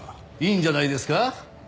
いいんじゃないですか。